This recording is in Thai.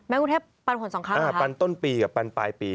กรุงเทพปันผลสองครั้งอ่าปันต้นปีกับปันปลายปี